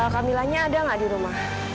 camilannya ada nggak di rumah